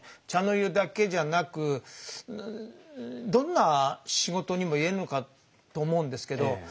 茶の湯だけじゃなくどんな仕事にも言えるのかと思うんですけど